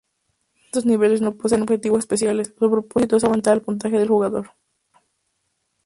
Estos niveles no poseen objetivos especiales, su propósito es aumentar el puntaje del jugador.